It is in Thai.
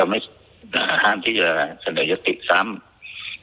ในสมัยประชุมมันก็ไม่ห้ามที่จะเสนอยัติศัมภ์